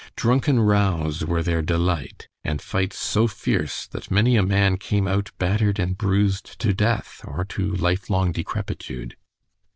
Drunken rows were their delight, and fights so fierce that many a man came out battered and bruised to death or to life long decrepitude.